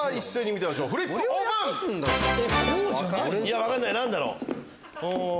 分かんない何だろう？